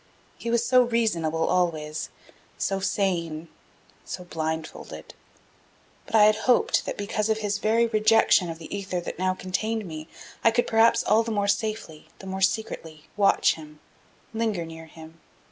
He was so reasonable always, so sane so blindfolded. But I had hoped that because of his very rejection of the ether that now contained me I could perhaps all the more safely, the more secretly, watch him, linger near him.